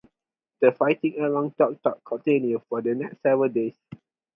The fighting around Duc Duc continued for the next several days.